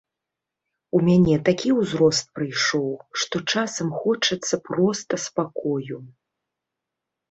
У мяне такі ўзрост прыйшоў, што часам хочацца проста спакою.